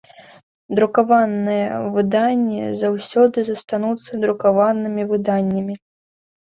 Друкаваныя выданні заўсёды застануцца друкаванымі выданнямі.